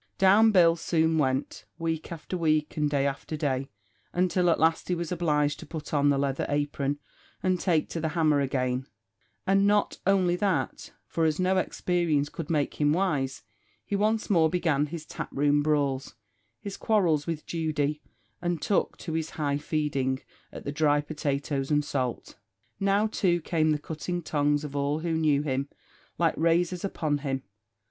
Down Bill soon went, week after week, and day after day, until at last he was obliged to put on the leather apron, and take to the hammer again; and not only that, for as no experience could make him wise, he once more began his tap room brawls, his quarrels with Judy, and took to his "high feeding" at the dry potatoes and salt. Now, too, came the cutting tongues of all who knew him, like razors upon him.